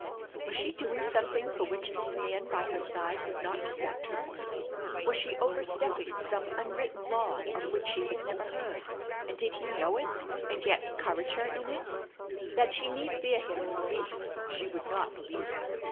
Was she doing something for which this man by her side would not respect her? Was she overstepping some unwritten law of which she had never heard, and did he know it, and yet encourage her in it? That she need fear him in the least she would not believe.